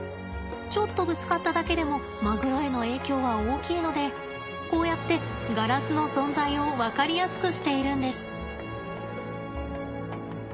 ちょっとぶつかっただけでもマグロへの影響は大きいのでこうやってガラスの存在を分かりやすくしているんです。